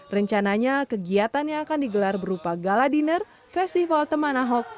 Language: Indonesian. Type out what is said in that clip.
rencananya kegiatan yang akan digelar berupa gala dinner festival teman ahok